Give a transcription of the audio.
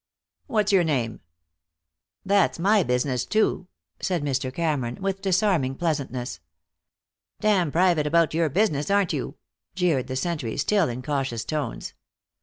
"What's your name?" "That's my business, too," said Mr. Cameron, with disarming pleasantness. "Damn private about your business, aren't you?" jeered the sentry, still in cautious tones.